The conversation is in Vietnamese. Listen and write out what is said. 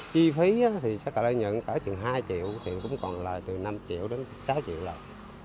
chi phí thì chắc là lợi nhuận cả chừng hai triệu thì cũng còn là từ năm triệu đến sáu triệu lợi